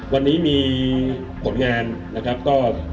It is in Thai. วันนี้มีผลงานนะครับก็